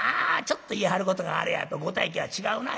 ちょっと言いはることがあれやとご大家は違うな。